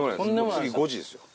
次５時ですよ。